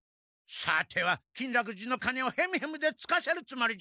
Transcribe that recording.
さては金楽寺の鐘をヘムヘムでつかせるつもりじゃな？